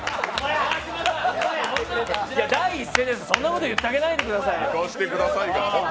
第一声って、そんなこと言ってあげないでくださいよ。